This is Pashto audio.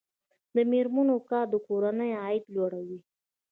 د میرمنو کار د کورنۍ عاید لوړوي.